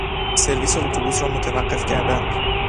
سرویس اتوبوس را متوقف کردن